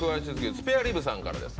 スペア・リブさんから。